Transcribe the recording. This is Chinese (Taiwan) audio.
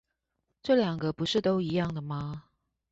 這兩個不都是一樣的嗎?